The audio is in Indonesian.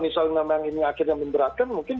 misalnya memang ini akhirnya memberatkan mungkin